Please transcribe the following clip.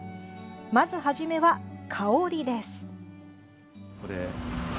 まずはじめは、香りです。